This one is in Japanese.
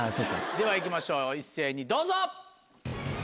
では行きましょう一斉にどうぞ！